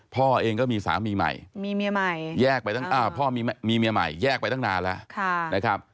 พ่อเองก็มีสามีใหม่พ่อมีเมียใหม่แยกไปตั้งนานแล้ว